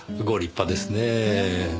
ご立派ですねぇ。